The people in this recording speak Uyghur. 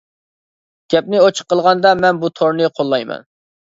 گەپنى ئۇچۇق قىلغاندا مەن بۇ تورنى قوللايمەن.